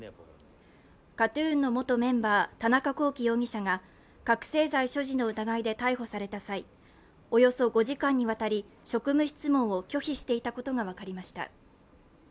ＫＡＴ−ＴＵＮの元メンバー、田中聖容疑者が覚醒剤所持の疑いで逮捕された際、およそ５時間にわたり職務質問を拒否していたことが分かりました。